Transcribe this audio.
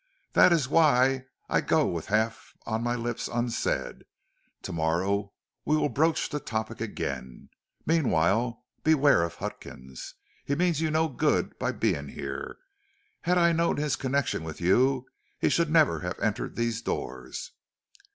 "That is why I go with half on my lips unsaid. To morrow we will broach the topic again, meanwhile beware of Huckins. He means you no good by being here. Had I known his connection with you, he should never have entered these doors."